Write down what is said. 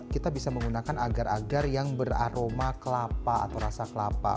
kita bisa menggunakan agar agar yang beraroma kelapa atau rasa kelapa